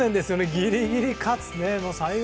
ギリギリ勝つ。